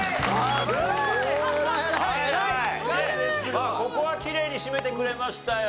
まあここはきれいに締めてくれましたよ。